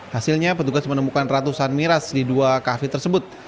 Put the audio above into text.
hasilnya petugas menemukan ratusan miras di dua kafe tersebut